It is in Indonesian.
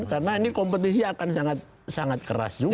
karena ini kompetisi akan sangat keras juga